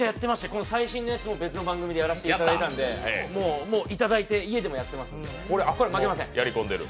この最新のやつも別の番組でやらせていただいたので、もう、いただいて家でもやってますので、負けません。